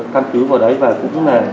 căn cứ vào đấy và cũng là